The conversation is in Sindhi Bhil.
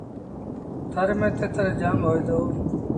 ٿر ميݩ تتر جآم هوئي دو۔